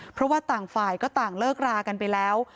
เพราะว่าต่างฝ่ายก็ต่างเลิกรากันไปแล้ว